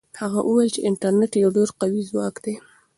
هغه وویل چې انټرنيټ یو ډېر قوي ځواک دی.